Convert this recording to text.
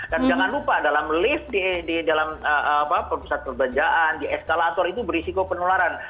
dan jangan lupa dalam lift di dalam perusahaan perbelanjaan di eskalator itu berisiko penularan